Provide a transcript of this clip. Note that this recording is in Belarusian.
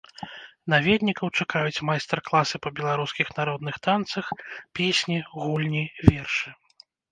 Наведнікаў чакаюць майстар-класы па беларускіх народных танцах, песні, гульні, вершы.